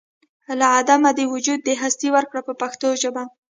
له عدمه دې وجود دهسې ورکړ په پښتو ژبه.